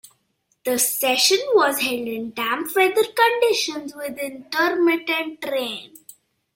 The session was held in damp weather conditions with intermittent rain.